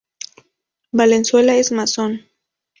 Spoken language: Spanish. Valenzuela es masón.